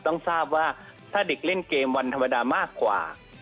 ทราบว่าถ้าเด็กเล่นเกมวันธรรมดามากกว่า